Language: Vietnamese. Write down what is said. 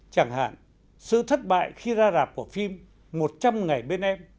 chẳng hạn sự thất bại khi ra rạp của phim một trăm linh ngày bên em